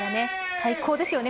最高ですよね